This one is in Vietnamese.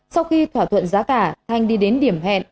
sau khi thỏa thuận giá cả thanh đi đến điểm hẹn